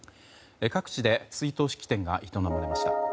各地で追悼式典が営まれました。